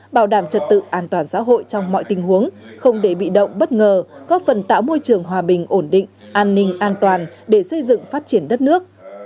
bảo đảm trật tự an toàn xã hội trong mọi tình huống không để bị động bất ngờ góp phần tạo môi trường hòa bình ổn định an ninh an toàn để xây dựng phát triển đất nước